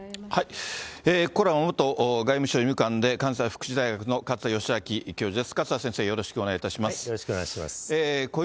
ここからは元外務省医務官で、関西福祉大学の勝田吉彰教授です。